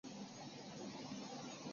所有学生必须应考数学科考试。